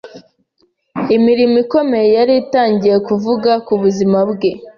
Imirimo ikomeye yari itangiye kuvuga ku buzima bwe.